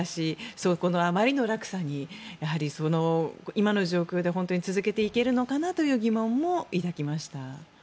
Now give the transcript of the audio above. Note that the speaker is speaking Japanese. そこのあまりの落差に今の状況で本当に続けていけるのかなという疑問も抱きました。